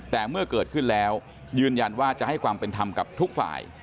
แต่เมื่อเกิดขึ้นแล้วยืนยันว่าจะให้ความเป็นธรรมกับทุกฝ่าย